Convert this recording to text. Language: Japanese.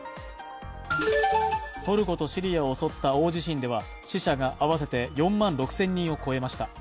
トルコとシリアを襲った大地震では死者が合わせて４万６０００人を超えました。